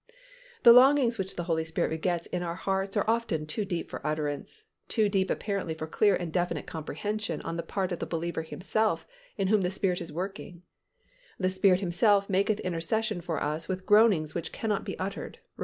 The longings which the Holy Spirit begets in our hearts are often too deep for utterance, too deep apparently for clear and definite comprehension on the part of the believer himself in whom the Spirit is working—"The Spirit Himself maketh intercession for us with groanings which cannot be uttered" (Rom.